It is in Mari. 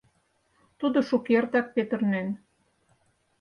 Тудо шукертак петырнен.